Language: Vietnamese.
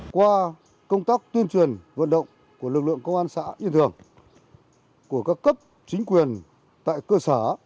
qua công tác tuyên truyền vận động của lực lượng công an xã yên thường của các cấp chính quyền tại cơ sở